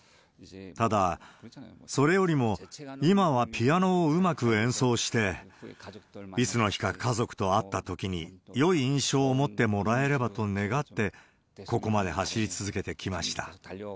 ただ、それよりも今はピアノをうまく演奏して、いつの日か家族と会ったときに、よい印象を持ってもらえればと願って、ここまで走り続けてきました。